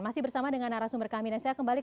masih bersama dengan narasumber kaminas saya kembali